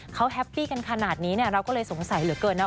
เขาแฮปปี้กันขนาดนี้เราก็เลยสงสัยเหลือเกินนะ